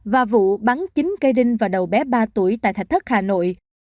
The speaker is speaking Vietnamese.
và vụ bắn chín cây đinh vào đầu bé ba tuổi tại thạch thất hà nội